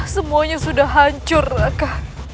semuanya sudah hancur raka